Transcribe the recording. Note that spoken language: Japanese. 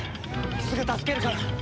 すぐ助けるから！